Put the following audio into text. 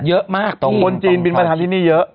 เยอะมากของคนจีนบินมาทานที่นี่เยอะ